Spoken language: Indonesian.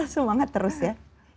semangat terus ya